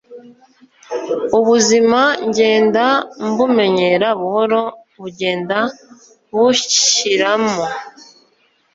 ubuzima ngenda mbumenyera n’ubwoba bugenda bunshiramo